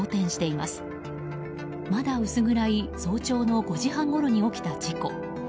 まだ薄暗い早朝の５時半ごろに起きた事故。